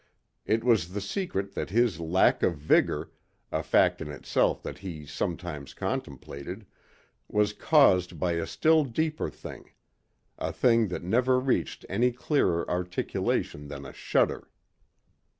It was the secret that his lack of vigor a fact in itself that he sometimes contemplated was caused by a still deeper thing a thing that never reached any clearer articulation than a shudder.